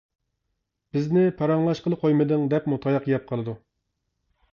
بىزنى پاراڭلاشقىلى قويمىدىڭ دەپمۇ تاياق يەپ قالىدۇ.